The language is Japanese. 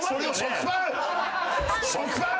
食パン！